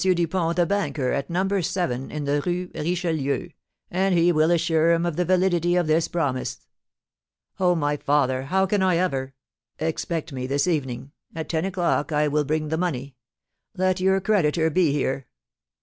Dupont, the banker, at No. 7 in the Rue Richelieu, and he will assure him of the validity of this promise." "Oh, my father! How can I ever " "Expect me this evening; at ten o'clock I will bring the money. Let your creditor be here."